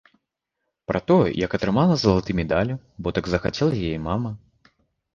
Пра тое, як атрымала залаты медаль, бо так захацела яе мама.